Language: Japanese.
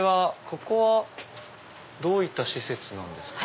ここはどういった施設ですか？